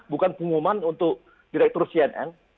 bukan pengumuman untuk direktur cnn